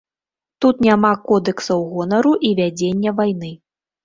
Тут няма кодэксаў гонару і вядзення вайны.